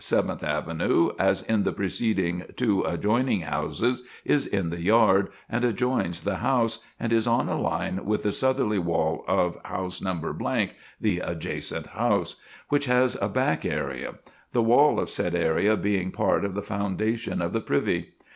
Seventh Avenue, as in the preceding two adjoining houses, is in the yard, and adjoins the house, and is on a line with the southerly wall of house No. (the adjacent house), which has a back area; the wall of said area being part of the foundation of the privy.